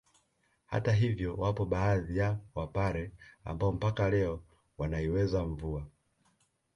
Hata hivyo wapo baadhi ya wapare ambao mpaka leo wanaiweza mvua